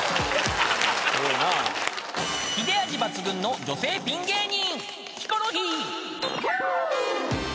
［切れ味抜群の女性ピン芸人］